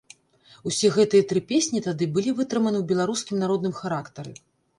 Усе гэтыя тры песні тады былі вытрыманы ў беларускім народным характары.